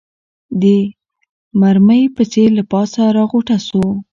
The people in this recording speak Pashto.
د مرمۍ په څېر له پاسه راغوټه سو